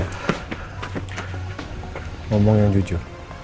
ngomong yang jujur